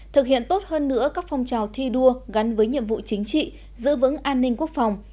thực hiện tốt hơn nữa các phong trào thi đua gắn với nhiệm vụ chính trị giữ vững an ninh quốc phòng